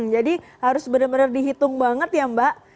jadi harus benar benar dihitung banget ya mbak